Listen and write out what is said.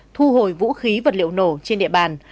thu hồi vũ khí vật liệu nổ trên địa bàn